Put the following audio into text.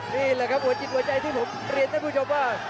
นี่แหละครับหัวจิตหัวใจที่ผมเรียนท่านผู้ชมว่า